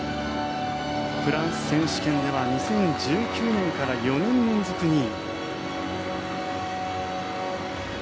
フランス選手権では２０１９年から４年連続２位。